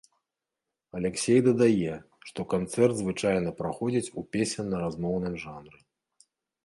Аляксей дадае, што канцэрт звычайна праходзіць у песенна-размоўным жанры.